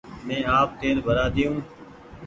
مينٚ آپ تيل ڀرآۮييو